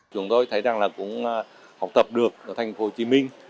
chúng tôi thấy rằng là cũng học tập được ở tp hcm